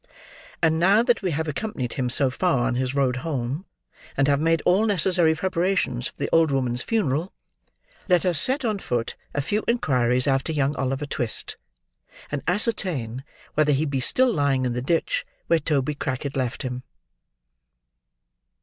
And now that we have accompanied him so far on his road home, and have made all necessary preparations for the old woman's funeral, let us set on foot a few inquires after young Oliver Twist, and ascertain whether he be still lying in the ditch where Toby Crackit left him.